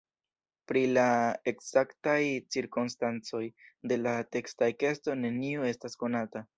Pri la ekzaktaj cirkonstancoj de la teksta ekesto neniu estas konata.